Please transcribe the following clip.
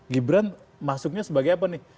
gibran masuknya sebagai apa nih